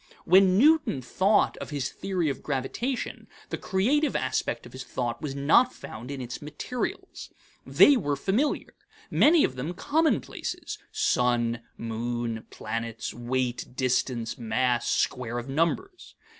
When Newton thought of his theory of gravitation, the creative aspect of his thought was not found in its materials. They were familiar; many of them commonplaces sun, moon, planets, weight, distance, mass, square of numbers.